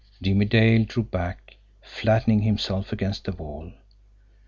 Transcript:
Jimmie Dale drew back, flattening himself against the wall.